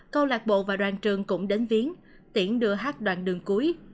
câu lạc bộ và đoàn trường cũng đến viến tiễn đưa hát đoàn đường cuối